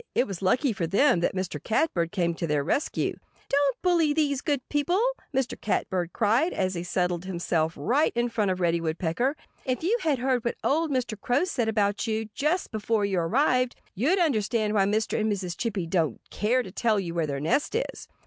It was lucky for them that Mr. Catbird came to their rescue. "Don't bully these good people!" Mr. Catbird cried, as he settled himself right in front of Reddy Woodpecker. "If you had heard what old Mr. Crow said about you, just before you arrived, you'd understand why Mr. and Mrs. Chippy don't care to tell you where their nest is."